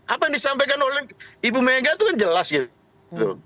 apa yang disampaikan oleh ibu mega itu kan jelas gitu